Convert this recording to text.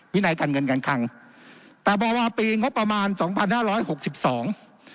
วินัยการเงินกันครั้งแต่ประมาณปีประมาณสองพันห้าร้อยหกสิบสอง